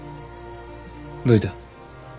どういた？